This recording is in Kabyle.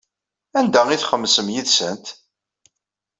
Anda ay txemmsem yid-sent?